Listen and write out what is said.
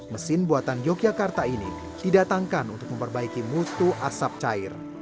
mesin buatan yogyakarta ini didatangkan untuk memperbaiki mutu asap cair